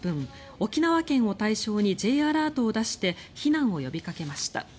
沖縄県を対象にＪアラートを出して避難を呼びかけました。